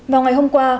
vào ngày hôm qua